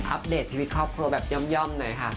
เดตชีวิตครอบครัวแบบย่อมหน่อยค่ะ